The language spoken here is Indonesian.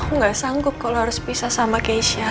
aku nggak sanggup kalau harus pisah sama keisha